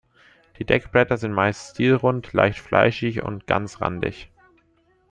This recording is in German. Die Deckblätter sind meist stielrund, leicht fleischig und ganzrandig.